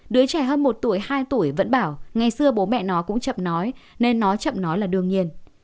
đứa trẻ hơn một tuổi hai tuổi vẫn bảo ngày xưa bố mẹ nói cũng chậm nói nên nó chậm nói là đương nhiên